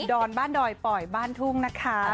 อนบ้านดอยป่อยบ้านทุ่งนะคะ